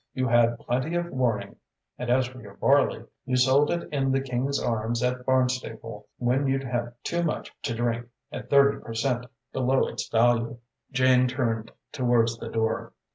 "You had plenty of warning. And as for your barley, you sold it in the King's Arms at Barnstaple, when you'd had too much to drink, at thirty per cent, below its value." Jane turned towards the door.